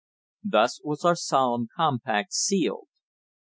Thus was our solemn compact sealed.